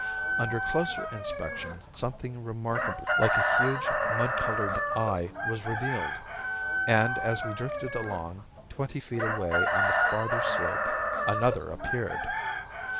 Under closer inspection something remarkably like a huge, mud colored eye was revealed! And as we drifted along, twenty feet away on the farther slope, another appeared!